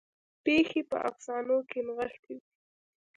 پیښې په افسانو کې نغښتې دي.